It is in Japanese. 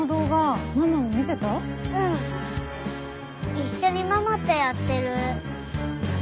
一緒にママとやってる。